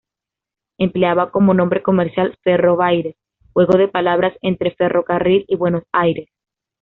Empleaba como nombre comercial Ferrobaires, juego de palabras entre ferrocarril y Buenos Aires.